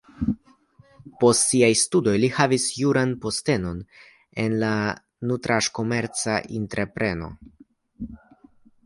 Post siaj studoj li havis juran postenon en nutraĵkomerca entrepreno.